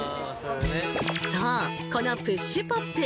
このプッシュポップ